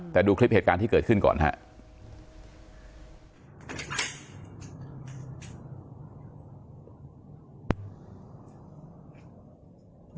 แต่ดูคลิปเหตุการณ์ที่เกิดขึ้นก่อนครับ